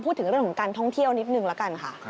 พูดถึงเรื่องของการท่องเที่ยวนิดนึงละกันค่ะ